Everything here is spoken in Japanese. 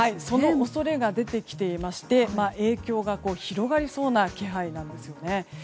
その恐れが出てきていまして影響が広がりそうな気配なんです。